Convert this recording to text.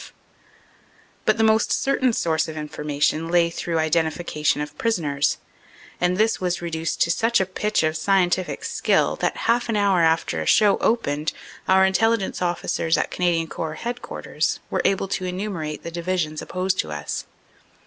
F. But the most certain source of information lay through identification of prisoners, and this was reduced to such a pitch of scientific skill that half an hour after a show opened our Intelligence officers at Canadian Corps Headquarters were able to enumerate the divisions opposed to us.